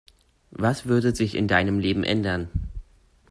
Was würde sich in deinem Leben ändern?